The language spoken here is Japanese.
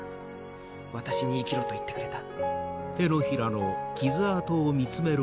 私に生きろと言ってくれた。